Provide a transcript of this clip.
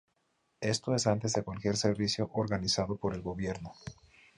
Esto es antes de cualquier servicio organizado por el gobierno.